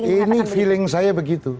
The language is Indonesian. ini feeling saya begitu